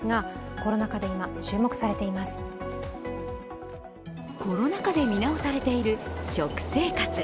コロナ禍で見直されている食生活。